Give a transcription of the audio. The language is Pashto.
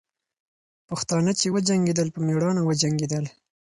پښتانه چې وجنګېدل، په میړانه وجنګېدل.